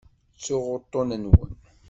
Ttuɣ uṭṭun-nwen.